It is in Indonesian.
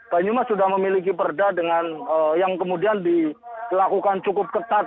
banyumas sudah memiliki perda dengan yang kemudian dilakukan cukup ketat